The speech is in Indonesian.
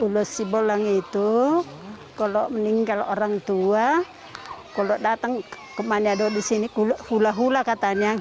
hai ulas sibolang itu kalau meninggal orang tua kalau datang ke maniado disini kula kula katanya